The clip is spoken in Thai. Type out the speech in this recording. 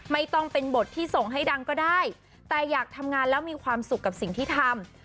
ไม่ต้องเป็นบทที่ส่งให้ดังก็ได้แต่อยากทำงานแล้วมีความสุขกับสิ่งที่ทำ